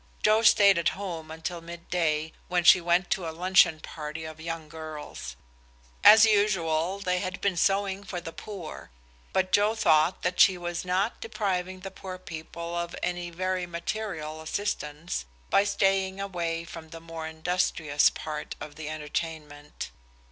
Joe stayed at home until mid day, when she went to a luncheon party of young girls. As usual, they had been sewing for the poor, but Joe thought that she was not depriving the poor people of any very material assistance by staying away from the more industrious part of the entertainment.